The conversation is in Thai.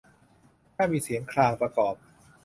แต่ถ้ามีเสียงครางประกอบ